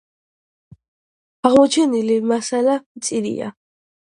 აღმოჩენილი მასალა მწირია.